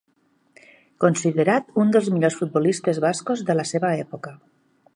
Considerat un dels millors futbolistes bascos de la seva època.